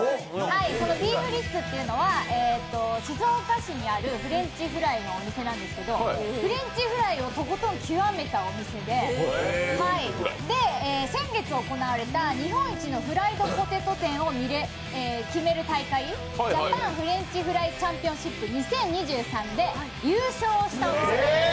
このビーフリッツというのは静岡市にあるフレンチフライのお店なんですけど、フレンチフライをとことん極めたお店で先月行われた日本一のフライドポテト店を決める大会、ＪａｐａｎＦｒｅｎｃｈＦｒｉｅｓＣｈａｍｐｉｏｎｓｈｉｐ２０２３で優勝したお店なんです。